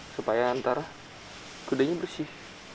supaya antara kudanya bersih